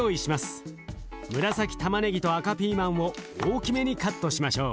紫たまねぎと赤ピーマンを大きめにカットしましょう。